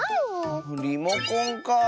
リモコンかあ。